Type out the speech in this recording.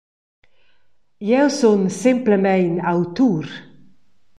Jeu sun semplamein autur.